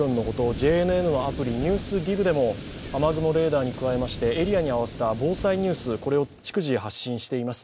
ＪＮＮのアプリ「ＮＥＷＳＤＩＧ」でも雨雲レーダーに加えてエリアに合わせた防災ニュースを逐次発信しています。